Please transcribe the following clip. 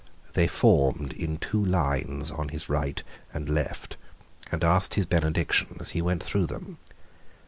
They formed in two lines on his right and left, and asked his benediction as he went through them.